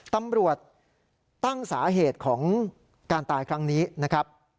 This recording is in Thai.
ตำรวจตั้งสาเหตุของการตายครั้งนี้นะครับ